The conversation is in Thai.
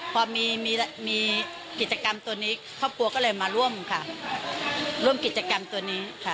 พอมีกิจกรรมตัวนี้ครอบครัวก็เลยมาร่วมกิจกรรมตัวนี้